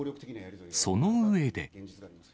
その上で。